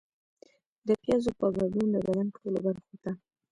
د پیازو په ګډون د بدن ټولو برخو ته